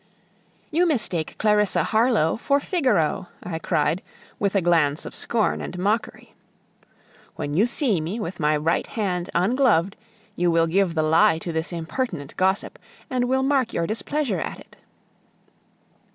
"You mistake Clarissa Harlowe for Figaro!" I cried, with a glance of scorn and mockery. "When you see me with my right hand ungloved, you will give the lie to this impertinent gossip, and will mark your displeasure at it."